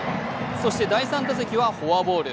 そして第３打席はフォアボール。